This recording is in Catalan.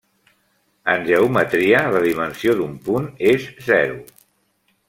En geometria, la dimensió d'un punt és zero.